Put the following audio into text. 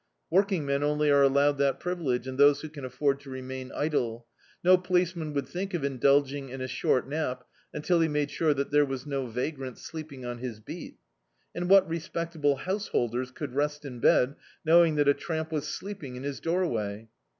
Working men only are allowed that privi lege and those who can afford to remain idle. No policeman would think of indulging in a short nap until he made sure that there was no vagrant sleep ing on his beat And what respectable householder could rest in bed knowing that a tramp was sleeping in his doorway?